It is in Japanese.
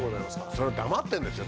それ黙ってんですよ